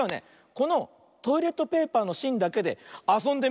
このトイレットペーパーのしんだけであそんでみるよ。